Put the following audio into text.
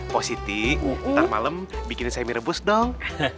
positif ntar malem bikinin saya mie rebus dong